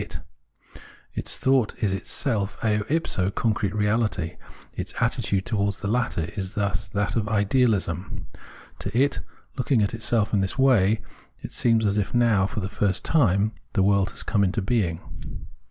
Its thought is itself eo ipso concrete reahty; its attitude towards the latter is thus that of Idealism. To_it, looking at itself ia this way, it seems as if how, for the.. first time, the world had come into being.